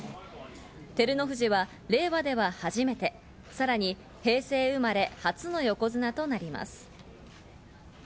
照ノ富士は令和では初めて、さらに平成生まれ初の横綱となります。